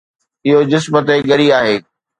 اهو جسم تي ڳري آهي